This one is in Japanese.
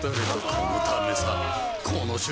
このためさ